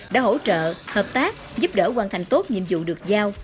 đã hỗ trợ hợp tác giúp đỡ hoàn thành tốt nhiệm vụ được giao